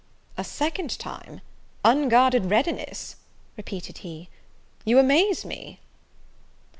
"A second time! unguarded readiness!" repeated he; "you amaze me!"